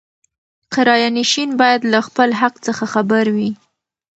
کرایه نشین باید له خپل حق څخه خبر وي.